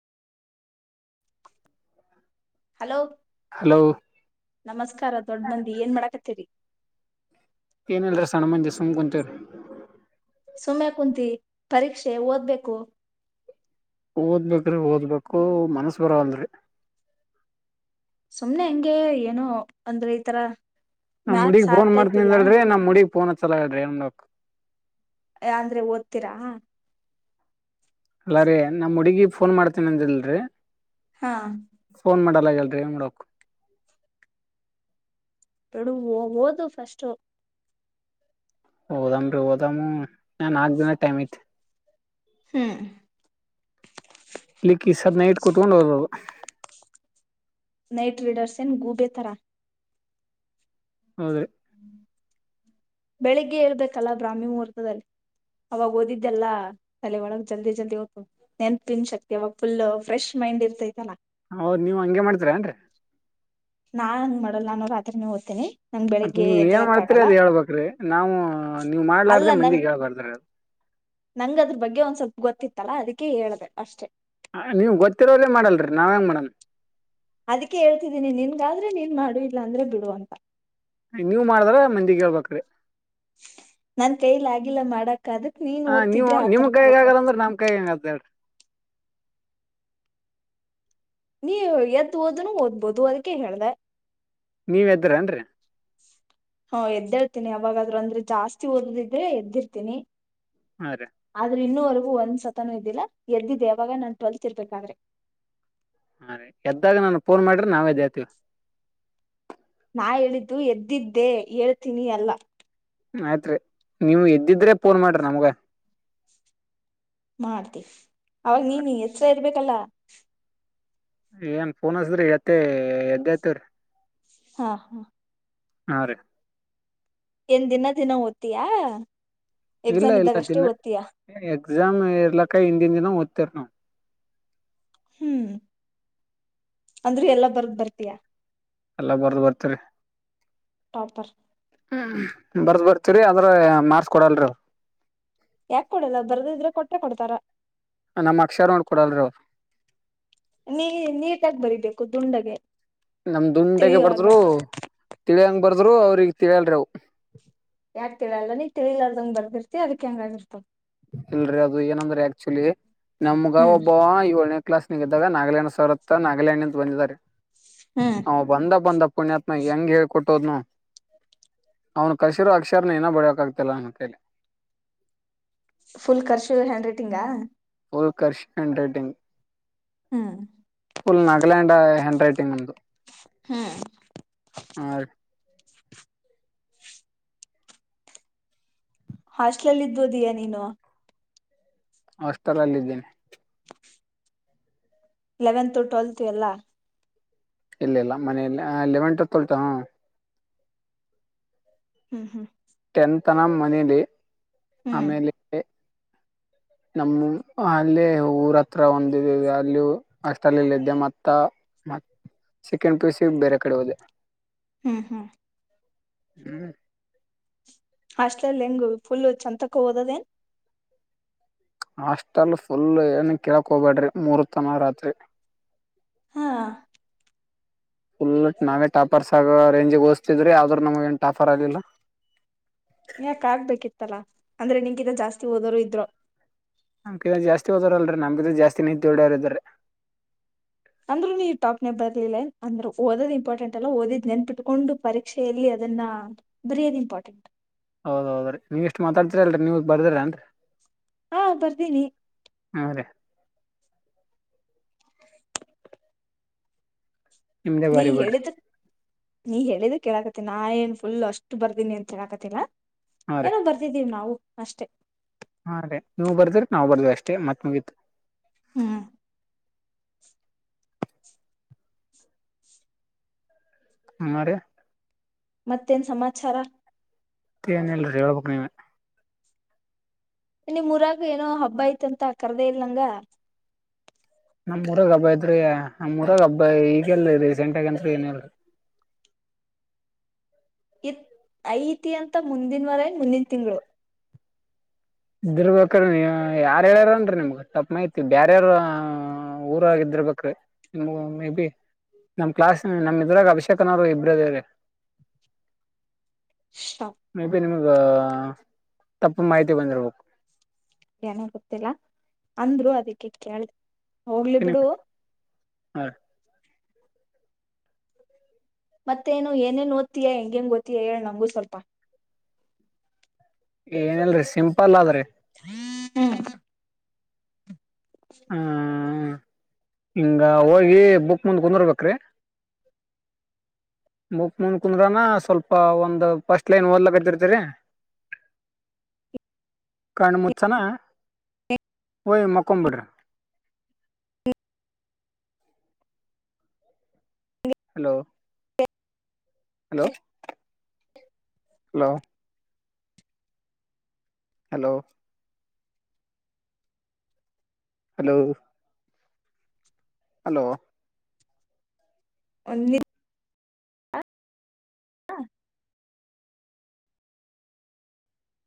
Hello hello ನಮಸ್ಕಾರ ದೊಡ್ ಮಂದಿ ಏನ್ ಮಾಡಾಕತ್ತೀರಿ ಏನೆ ಎಲ್ಲರ ಸಣ ಮಂದಿ ಸುಮ್ ಕುಂತೀವಿ ಸುಮ್ಮನೆ ಕುಂತಿ ಪರೀಕ್ಷೆ ಓದ್ಬೇಕು ಓದ್ಬೇಕ್ರಿ ಓದ್ಬೇಕು ಮನಸ್ ಬರೋವಲ್ರಿ ಸುಮ್ನೆ ಹೆಂಗೆ ಏನು ಅಂದ್ರೆ ಈತರ ನಾಮ್ಮ್ ಹುಡುಗಿ ಫೋನ್ ಮಾಡ್ತೀ ಹೇಳಡ್ರಿ ನಮ್ ನಮ್ಮುಡುಗಿ ಫೋನ್ ಹಚ್ಚಲ ಹೇಳ್ರಿ ಏನ್ ಮಾಡಬೇಕ್ ಅಂದ್ರೆ ಓದ್ತೀರಾ ಅಲ್ಲ ರೀ ನಾ ಹುಡಗಿ ಫೋನ್ ಮಾಡ್ತೇನ ಅಂದಿಲ್ರರಿ ಹಾ ಏನ್ರೀ ಏನ್ ಮಾಡಬೇಕು ಬಿಡು ಓದು ಪಸ್ಟು ಹಓದಾಮ್ರೀ ಹಓದಾಮ ನ ನಾಲ್ಕ ದಿನ ಟೈಮ್ ಐತೆ ಹ್ಮ್ ಇಲಿಕ್ಕ ಸದ್ ನೈಟ್ ಕುತ್ಕೊಂಡು ಹೋದದು. ನೈಟ್ ರೈಡರ್ಸ್ ಎನ್ ಗೂಬೆ ತರ ಹೌದ್ರಿ ಬೆಳಿಗ್ಗೆ ಹೇಳ್ಬೇಕಲ್ಲ ಬ್ರಾಹ್ಮಿ ಮುಹೂರ್ತದಲ್ಲಿ. ಅವಾಗ ಓದಿದ್ದೆಲ್ಲ ತಲೆ ಒಳಗ್ ಜಲ್ದಿ ಜಲ್ದಿ ಹ್ತು ನೆನ್ಪಿನ ಶಕ್ತಿ ಅವಾಗ ಫುಲ್ ಫ್ರೆಶ್. ಮೈಂಡ್ ಇರ್ತೈತಲ್ಲ ಹೌದ ನೀವ್ ಹಂಗೆ ಮಾಡ್ತೀರ ಏನ್ರಿ ನಾನ್ಂಗ ಮಾಡಲ್ಲ ಅನ್ನೋ ರಾತ್ರಿ ನೀವು ಓದ್ತಿನಿ. ಮತ್ ನೀವ್ ಏನ್ ಮಾಡ್ತರಿ ಅದ ಹೇಳ್ಬ್ರಿ ನಾವು ನೀವ್ ಮಾಡ್ಲಾರ್ದೆ ಮಂದಿಗ್ ಹೇಳ್ಬಾರ್ದ್ರಿ ಅದು. ನಂಗ ಅದ್ರ ಬಗ್ಗೆ ಒಂದ್ ಸ್ವಲ್ಪ ಗೊತ್ತಿತ್ತಲ್ಲಾ ಅದಕ್ಕೆ ಹೇಳಿದೆ ಅಷ್ಟೆ. ಹ ನೀವ್ ಗೊತ್ತಿರರೆ ಮಾಡಲ್ರರಿ ನಾವ್ ಹೆಂಗ ಮಾಡನ್ ಅದಕ್ಕೆ ಹೇಳ್ತಿದೀನಿ ನಿನ್ಗಾದ್ರೆ ನೀನ್ ಮಾಡು ಇಲ್ಲಾಂದ್ರೆ ಬಿಡು ಅಂತ ನೀವ್ ಮಾಡಿದ್ರ ಮಂದಿಗೆ ಹೇಳ್ಬೇಕ್ರೀ. ಇಲ್ಲಾ ಮಾಡಕ್ ಅದಕ್ ನೀನ್ ಓದ್ತಿದ್ರೆ ನಿಮ್ ಆತರ ಕೈಗ್ ಓದ ಆಗಲ್ಲ ಅಂದ್ರ ನಮ್ ಕೈಗ್ ಹೆಂಗ್ ಆಗ್ತದ್ರಿ ನೀ ಎದ್ದ ಓದನು ಓದ್ಬೋದು ಅದಕ್ಕೆ ಹೇಳ್ದೆ ನೀವ್ ಎದ್ದೆಂದ್ರಿ. ಹಾ ಎದ್ದೇಳ್ತೀನಿ ಅವಾವಾಗಾದ್ರು ಅಂದ್ರೆ ಜಾಸ್ತಿ ಓದದಿದ್ರೆ ಎದ್ದಿರ್ತೀನಿ. ಹಾ ರೀ ಆದ್ರೆ ಇನ್ನೂವರೆಗೂ ಒಂದ್ ಸತನೂ ಇದ್ದಿಲ್ಲ ಎದ್ದಿದ್ದ ಯಾವಾಗ ನಾನ್ ಟ್ವೆಲ್ತ್ ಇರ್ಬೇಕಾದ್ರೆ. ಹಾ ರೀ ಎದ್ದಾಗ ನಾನ ಫೋನ್ ಮಾಡ್ರೆ ನಾವೇದೇ ಹತೀವ. ನಾ ಹೇಳಿದ್ದು ಎದ್ದಿದ್ದೆ ಹೇಳ್ತೀನಿ ಅಲ್ಲ. ಆಯ್ತ್ರಿ ನೀವು ಎದ್ದಿದ್ರೆ ಫೋನ್ ಮಾಡ್ರಿ ನಮ್ಗ. ಮಾಡ್ತಿ ಅವಾಗ ನೀನ್ ಎಚ್ರ ಇರ್ಬೇಕಲ್ಲ. ಏನ್ ಫೋನ್ ಹಸ್ರಿ ಎತ್ತಿ ಎದ್ದತಿವ್ರಿ ಹಾ ಹಾ ಹಾ ರೀ ಏನ್ ದಿನ ದಿನ ಓದ್ತ್ಯ. ಇಲ್ಲ ಇಲ್ಲ ದಿನ ಎಕ್ಸಾಮ್ ಇರ್ಲಕ್ಕ ಹಿಂದಿನ ದಿನ ಓದ್ತತಿರ್ ನಾವು. ಹ್ಮ್ ಅಂದ್ರೆ ಎಲ್ಲಾ ಬರ್ದ ಬರ್ತಯಾ ಎಲ್ಲ ಬರ್ದು ಬರ್ತೀರಿ ಟಾಪರ್ ಹ್ಮ್ ಬರ್ದ್ ಬರ್ತರಿ ಅದ್ರ ಮಾಡಾರ್ಸ್ಕೊಡಲ್ರಿ ಅವರು ಯಾಕ್ ಕೊಡಲ್ಲ ಬರ್ದಿದ್ರೆ ಕೊಟ್ಟೆ ಕೊಡ್ತಾರ. ನಮ್ಮ್ ಅಕ್ಷರ ನೋಡ್ ಕೊಡಲ್ರೀ ಅವ್ರು ನೀ ನೀಟಾಗಿ ಬರೀಬೇಕು ದುಂಡಗೆ. ನಮ್ ದುಂಡೆಗೆ ತಿಳಿಯೋ ಹಾಗ, ಬರ್ದ್ರು ತಿ ಬರ್ದ್ರು ಅವ್ರಗ್ ತಿಳ್ಯಂಲ್ಲ ಅವು. ಯಾಕ್ತಿಳಲ್ಲ ನೀ ತಿಳಿಲಾರದಂಗ್ ಬರ್ದಿರ್ತಿ ಅದಕ್ ಹೆಂಗ ಆಾಗಿರ್ತವ ಇಲ್ರರಿ ಅದು ಏನಂದ್ರೆ ಆಕ್ಚುಲಿ ನಮ್ಗ ಹ್ಮ್ ಒಬ್ಬ [unintelligible] ಕ್ಲಾಸ್ ನಿದಾಗ ನಾಗಾಯಂಡ್ ಸರತ್ತ ನಾಗಾಲ್ಯಾಂಡ್ ಅಂತ ಬಂದಿದ್ದಾರೆ ಹ್ಮ್ ಅವ ಬಂದ ಬಂದ ಪುಣ್ಯಾತ್ಮ ಹೆಂಗ್ ಹೇಳ್ಕೊಟ್ಟೋದ್ನೋ ಅವನು ಕಸಿರೋ ಅಕ್ಷರನ ಏನ ಬಡಿಯಕಾಗ್ತಿಲ್ಲ ನನ್ನ ಕೇಳಿ ಫುಲ್ ಖರ್ಷು ಹ್ಯಾಂಡ್ ರೈಟಿಂಗಾ ಓಲ್ ಕರ್ಷ ಹಂಡ್ ರೇಟಿಂಗ್ ಹ್ಮ್ ಫುಲ್ ನಾಗಾಲ್ಯಾಂಡ್ ಹ್ಯಾಂಡ್ ರೈಟಿಂಗ್ ನಮ್ದು ಹ್ಮ್ ಹಾಸ್ಟ್ಲಲ್ಲಿ ಇದಬೋದೀಯ ನೀನು ಹಾಸ್ಟೆಲ್ ಅಲ್ಲಿದ್ದಿನಿ ಲೆವೆನ್ತ್ ಟ್ವೆಲ್ತ್ ಎಲ್ಲ ಇಲ್ಲ ಇಲ್ಲ ಮನೇಲೆ ಲೆವೆಂಟ ತೊಲ್ಟ ಹ್ಮ್ ಹ್ಮ್. ಟೆನ್ ತನ ಮನೇಲಿ ಹ್ಮ್ ಆಮೇಲೆ ಎ [inaudible] ನಮ್ಮು ಅಲ್ಲೇ ಊರ ಹತ್ರ ಒಂದಿದಿದೆ ಅಲ್ಲಿಯೂ ಅಷ್ಟಲ್ಲಿಲ್ಲಿದ್ದೆ ಮತ್ತ ಮತ್ ಚಿಕನ್ ಪೀಸಿಗ್ ಬೇರೆ ಕಡೆ ಹೋದೆ. ಹ್ಮ್ ಹ್ಮ್. ಹ್ಮ್. ಹಾಸ್ಟೆಲಲ್ ಹೆಂಗು ಫುಲ್ ಚಂತಕ್ಕ ಓದದೇನ್. ಹಾಸ್ಟೆಲ್ ಫುಲ್ ಏನ್ ಕೇಳಕ್ ಹೋಗ್ಬೇಡ್ರಿ ಮೂರ್ತನ ರಾತ್ರಿ. ಹಾ ಫುಲ್ ನಾವೇ ಟಾಪರ್ಸ್ ಆಗೋ ರೇಂಜಿಗೆ ಓದ್ಸ್ತಿದ್ರಿ ಆದ್ರೂ ನಮ್ಗೇನ್ ಟಾಪರ್ ಆಗಿಲ್ಲ. ಯಾಕ್ ಆಗ್ಬೇಕಿತ್ತಲ್ಲಾ ಅಂದ್ರೆ ನಿನಗಿಂತ ಜಾಸ್ತಿ ಓದೋರು ಇದ್ರು. ನಮ್ ಕೆಳ ಜಾಸ್ತಿ ಓದರಲ್ರಿ ನಮ್ಕಿಂತ ಜಾಸ್ತಿ ನಿದ್ದ್ ಹೊಡ್ಯಾರ್ ಇದ್ದರ್ರಿ. ಅಂದ್ರುನು ಈ ಟಾಪ್ನೇ ಬರ್ಲಿಲ್ಲೇನ್ ಅಂದ್ರು ಓದೋದ್ ಇಂಪಾರ್ಟೆಂಟ್ ಅಲ್ಲ ಓದಿದ್ ನೆನ್ಪಿಟ್ಕೊಂಡು ಪರೀಕ್ಷೆಯಲ್ಲಿ ಅದ್ ದನ್ನ ಬರಿಯದ್ ಇಂಪಾರ್ಟೆಂಟ್. ಹೌದೌದ್ರೀ ನೀವಿಷ್ಟ್ ಮಾತಾಡ್ತೀರಲ್ರಿ ನೀವಿದ್ ಬರ್ದಿರ ಅನ್ರಿ. ಹಾ ಬರ್ದೀನಿ. ರೀ ನಿಮ್ದೇ ನೀ ಭಾರಿ ಬಿಡ್ರಿ. ಹೇಳಿದ ನೀ ಹೇಳಿದಕ್ಕ್ ಹೇಳಾಕತಿನ್ ನಾ ಏನ್ ಫುಲ್ ಅಷ್ಟು ಬರ್ದೀನಿ ಅಂತ ಹೇಳಾಕತಿಲ್ಲ. ಹಾ ರೀ ಏನೋ ಬರ್ದಿದ್ದೀವ್ ನಾವು ಅಷ್ಟೆ. [unintelligible] ನೀವು ಬರ್ದಿರೋಕ್ ನಾವು ಬರ್ದಿವ್ ಅಷ್ಟೇ ಮತ್ ಮುಗಿತು. ಹ್ಮ್. ಅಮ್ಮಾರೆ. ಮತ್ತೇನ್ ಸಮಾಚಾರ. ತ್ತೆ ಏನ್ ಇಲ್ರಿ ಹೇಳ್ಬೇಕ್ ನೀವೆ. ನಿಮ್ಮೂರಾಗ ಏನೋ ಹಬ್ಬ ಅಯ್ತಂತ ಕರ್ದೇ ಇಲ್ ನಂಗ. ನಮ್ಮೂರಾಗ್ ಹಬ್ಬ ಐತ್ರಿ ನಮ್ಮೂರಾಗ್ ಹಬ್ಬ ಈಗೆಲ್ಲ ರಿಸೆಂಟೆಗಂತು ಏನಿಲ್ಲ. [inaudible] ಇತ್ ಐತಿ ಅಂತ ಮುಂದಿನವಾರಾಯಿ ಮುಂದಿನ ತಿಂಗಳು. [unintelligible] ಯಾರ್ ಹೇಳ್ಯಾರನ್ರೀ ನಿಮ್ಗ ತಪ್ಪ್ ಮಾಹಿತಿ ಬೇರ್ಯಾರ್ ಊರಾಗಿದ್ದಿರ್ಬೇಕ್ರಿ ಮೇ ಬಿ. ನಮ್ ಕ್ಲಾಸ್ ನಮ್ ಇದ್ರಾಗ ಅಭಿಷೇಕನ್ನೋರು ಇಬ್ರದೀವ್ರಿ. [inaudible] ಮೇ ಬಿ ನಿಮಗ ತಪ್ಪ್ ಮಾಹಿತಿ ಬಂದಿರ್ಬೇಕು. ಏನೋ ಗೊತ್ತಿಲ್ಲ ಅಂದ್ರು ಅದಕ್ಕೆ ಕೇಳ್ದೆ. ಹೋಗ್ಲಿ ಬಿಡು. ಮತ್ತೇನು ಏನೇನ್ ಓದ್ತೀಯಾ ಹೆಂಗೇಂಗ್ ಓದ್ತೀಯಾ ಹೇಳ್ ನಮ್ಗೂ ಸ್ವಲ್ಪ. ಏನಲ್ರಿ ಸಿಂಪಲ್ ಆದ್ರಿ. ಹ್ಮ್. ಹಾ ಹಿಂಗ ಹೋಗಿ ಬುಕ್ ಮುಂದ್ ಕುಂದರ್ಬೇಕ್ರೀ. ಬುಕ್ ಮುಂದ ಕುಂದ್ರಾನ ಸ್ವಲ್ಪ ಒಂದ್ ಫಸ್ಟ್ ಲೈನ್ ಓದ್ಲಕರ್ತಿರ್ತರಿ. [inaudible] ಕಣ ಮುಚ್ಚನ ಹೋಯಿ ಮಕ್ಕೊಂಬಿಡ್ರಿ. Hello. Hello. Hello. Hello. Hello. Hello. [unintelligible]